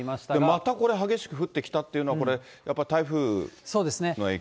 またこれ、激しく降ってきたというのは、やっぱ台風の影響？